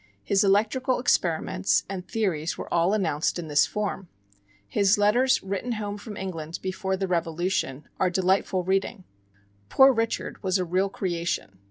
His electrical experiments and theories were all announced in this form. His letters written home from England before the Revolution are delightful reading. "Poor Richard" was a real creation.